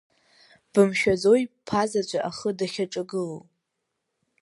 Бымшәаӡои бԥазаҵәы ахы дахьаҿагылоу?